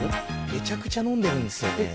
めちゃくちゃ飲んでるんですよね。